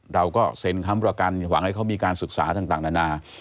เราก็เซ็นค้ำประกันหวังให้เขามีการศึกษาต่างนานา